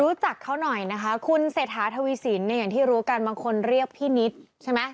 รู้จักเขาหน่อยนะคะคุณเศรษฐาทวีสินเนี่ยอย่างที่รู้กันบางคนเรียกพี่นิดใช่ไหม